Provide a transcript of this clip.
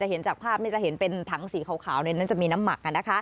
เห็นจากภาพนี้จะเห็นเป็นถังสีขาวในนั้นจะมีน้ำหมัก